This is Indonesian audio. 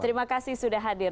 terima kasih sudah hadir